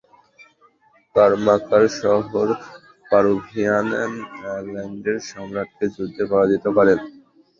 কারামার্কার শহর পারুভিয়ান আইল্যান্ডের সম্রাটকে যুদ্ধে পরাজিত করেন।